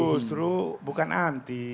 justru bukan anti